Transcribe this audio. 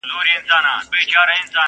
یو بوډا چي وو څښتن د کړوسیانو!